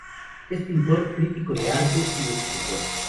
Es pintor, crítico de arte y escritor.